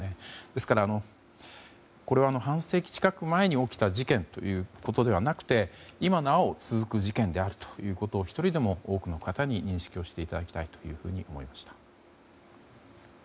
ですからこれは半世紀近く前に起きた事件ということではなくて今なお続く事件であるというのを１人でも多くの方に認識していただきたいと思いました。